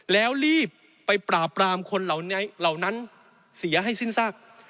แล้วรีบไปปราบปรามคนเหล่านั้นเสียให้สิ้นซาก